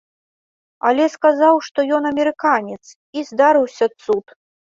Але сказаў, што ён амерыканец, і здарыўся цуд!